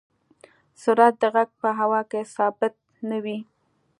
سرعت د غږ په هوا کې ثابت نه وي.